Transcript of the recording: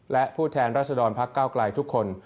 และผู้แทนรัศดรพักเก้าไกลทุกคน